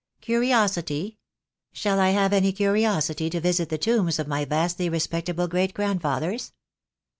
" Curiosity ? Shall I have any curiosity to visit the tombs of my vastly respectable great grandfathers